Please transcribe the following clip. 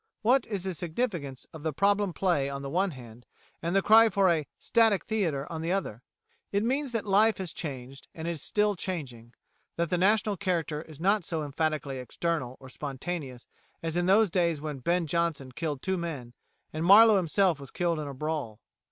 What is the significance of the problem play on the one hand, and the cry for a "Static Theatre" on the other hand? It means that life has changed, and is still changing; that the national character is not so emphatically external or spontaneous as in those days when Ben Jonson killed two men, and Marlowe himself was killed in a brawl.